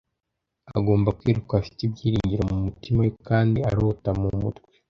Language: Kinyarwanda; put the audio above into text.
Agomba kwiruka afite ibyiringiro mu mutima we kandi arota mu mutwe. ”